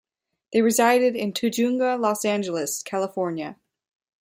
They resided in Tujunga, Los Angeles, California.